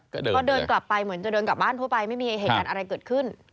ก็เดินกลับไปเหมือนจะเดินกลับบ้านทั่วไปไม่มีเหตุการณ์อะไรเกิดขึ้น